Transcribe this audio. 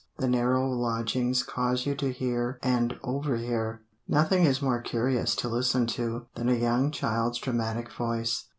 The narrow lodgings cause you to hear and overhear. Nothing is more curious to listen to than a young child's dramatic voice.